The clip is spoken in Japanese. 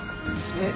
えっ？